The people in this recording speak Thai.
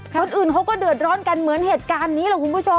คนอื่นเขาก็เดือดร้อนกันเหมือนเหตุการณ์นี้แหละคุณผู้ชม